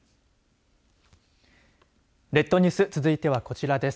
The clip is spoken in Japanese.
列島ニュース続いてはこちらです。